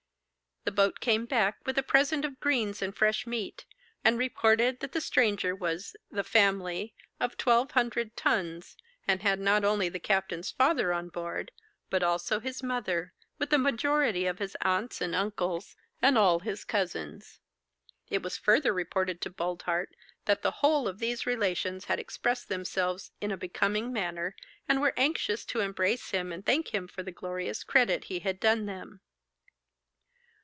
The boat came back with a present of greens and fresh meat, and reported that the stranger was 'The Family,' of twelve hundred tons, and had not only the captain's father on board, but also his mother, with the majority of his aunts and uncles, and all his cousins. It was further reported to Boldheart that the whole of these relations had expressed themselves in a becoming manner, and were anxious to embrace him and thank him for the glorious credit he had done them.